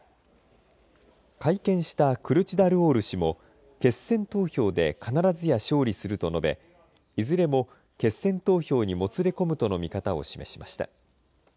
会見したクルチダルオール氏も決選投票で必ずや勝利すると述べいずれも決選投票にもつれ込むとの見方を示しました。